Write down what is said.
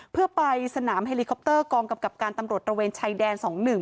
เพื่อไปสนามเฮลิคอปเตอร์กองกำกับการตำรวจตระเวนชายแดน๒๑